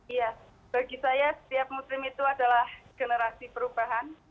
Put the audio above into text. iya bagi saya setiap muslim itu adalah generasi perubahan